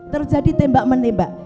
terjadi tembak menembak